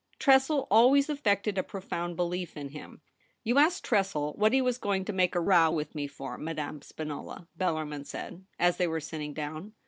Tressel always affected a profound belief in him. * You ask Tressel what he was going to make a row with me for, Madame Spinola,' Bellarmin said, as they were sitting down.